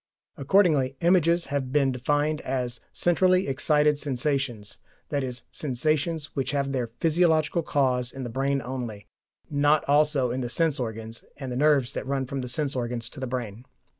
Accordingly images have been defined as "centrally excited sensations," i.e. sensations which have their physiological cause in the brain only, not also in the sense organs and the nerves that run from the sense organs to the brain.